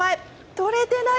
とれてない。